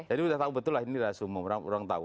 jadi sudah tahu betul lah ini rahasia umum orang tahu